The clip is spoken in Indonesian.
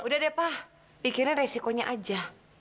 udah deh pak pikiran resikonya aja